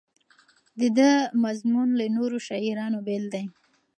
د ده مضمون له نورو شاعرانو بېل دی.